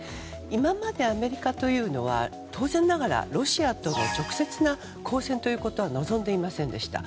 今までアメリカというのは当然ながらロシアとの直接な交戦は望んでいませんでした。